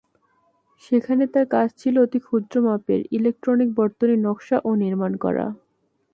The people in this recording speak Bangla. সেখানে তার কাজ ছিল অতিক্ষুদ্র মাপের ইলেকট্রনিক বর্তনী নকশা ও নির্মাণ করা।